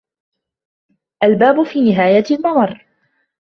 الباب في نهاية الممر.